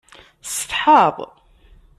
Tsetḥaḍ?